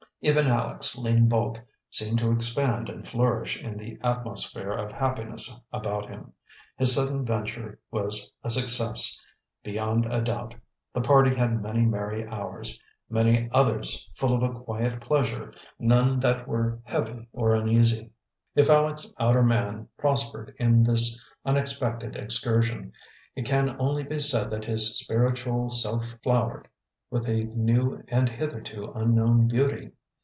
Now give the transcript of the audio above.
Even Aleck's lean bulk seemed to expand and flourish in the atmosphere of happiness about him. His sudden venture was a success, beyond a doubt. The party had many merry hours, many others full of a quiet pleasure, none that were heavy or uneasy. If Aleck's outer man prospered in this unexpected excursion, it can only be said that his spiritual self flowered with a new and hitherto unknown beauty.